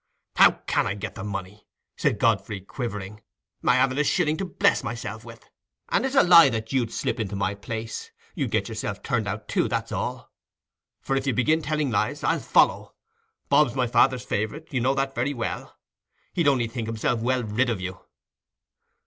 "How can I get the money?" said Godfrey, quivering. "I haven't a shilling to bless myself with. And it's a lie that you'd slip into my place: you'd get yourself turned out too, that's all. For if you begin telling tales, I'll follow. Bob's my father's favourite—you know that very well. He'd only think himself well rid of you."